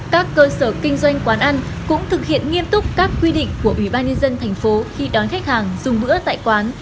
các cơ sở kinh doanh quán ăn cũng thực hiện nghiêm túc các quy định của ủy ban nhân dân thành phố khi đón khách hàng dùng bữa tại quán